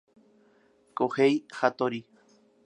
Kohei Hattori